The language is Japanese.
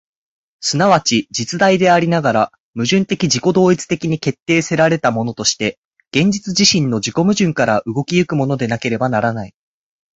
即ち実在でありながら、矛盾的自己同一的に決定せられたものとして、現実自身の自己矛盾から動き行くものでなければならない。